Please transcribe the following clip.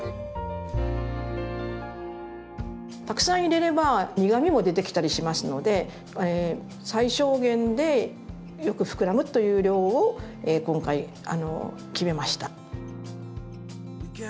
たくさん入れれば苦みも出てきたりしますので最小限でよく膨らむという量を今回決めました。